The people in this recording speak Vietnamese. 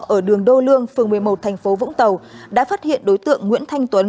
ở đường đô lương phường một mươi một thành phố vũng tàu đã phát hiện đối tượng nguyễn thanh tuấn